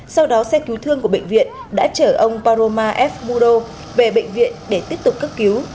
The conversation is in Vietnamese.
sau đó xe cứu thương của bệnh viện đã chở ông paroma f mudo về bệnh viện để tiếp tục cấp cứu